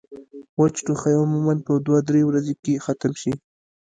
وچ ټوخی عموماً پۀ دوه درې ورځې کښې ختم شي